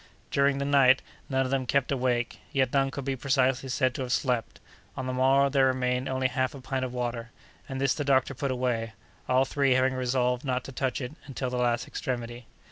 During the night none of them kept awake; yet none could be precisely said to have slept. On the morrow there remained only half a pint of water, and this the doctor put away, all three having resolved not to touch it until the last extremity.